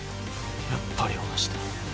やっぱり同じだ。